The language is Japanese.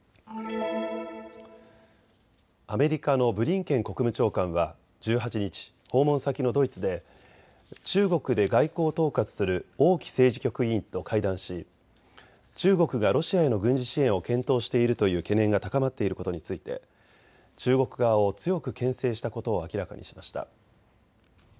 アメリカのブリンケン国務長官は１８日、訪問先のドイツで中国で外交を統括する王毅政治局委員と会談し中国がロシアへの軍事支援を検討しているという懸念が高まっていることについて中国側を強くけん制したことを明らかにしました。